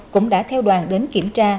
cũng đã theo đoàn đến kiểm tra